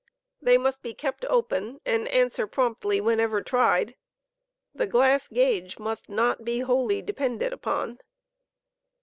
They must be kept open, and answer properly whenever tried. The glass gauge must not be wholly depended upon.